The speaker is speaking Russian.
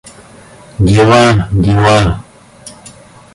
Дела, дела!